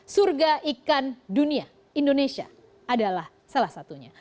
surga ikan dunia indonesia adalah salah satunya